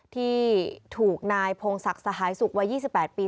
ที่ถูกนายพงศักดิ์สหายสุขวัย๒๘ปี